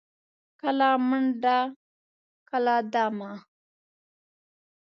کله منډه، کله دمه.